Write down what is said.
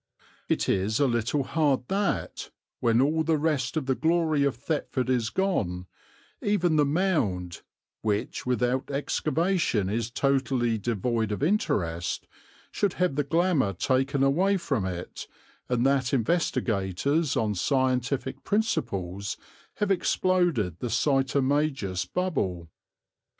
It is a little hard that, when all the rest of the glory of Thetford is gone, even the Mound, which without excavation is totally devoid of interest, should have the glamour taken away from it and that investigators on scientific principles have exploded the Sitomagus bubble.